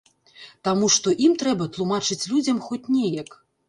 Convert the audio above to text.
Таму што ім трэба тлумачыць людзям хоць неяк.